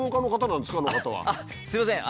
すいません！